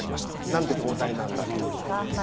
何で交代なんだって。